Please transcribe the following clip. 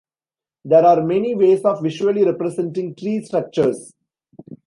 There are many ways of visually representing tree structures.